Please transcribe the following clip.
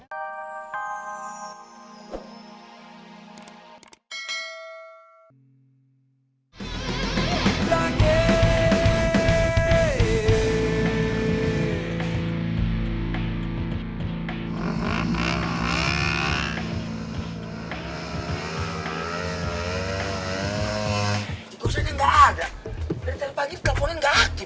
dari teleponnya dia teleponnya gak aktif